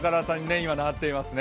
今なっていますね。